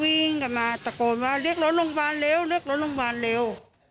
วิ่งกลับมาตะโกนว่าเรียกรถโรงพยาบาลเร็วเรียกรถโรงพยาบาลเร็ว